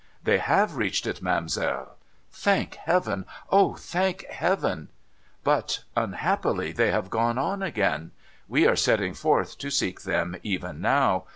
' They have reached it, ma'amselle.' ' Thank Heaven ! O, thank Heaven !'* But, unhappily, they have gone on again. We are setting forth to seek them even now.